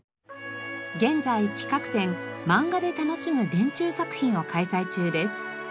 現在企画展「マンガで楽しむ田中作品」を開催中です。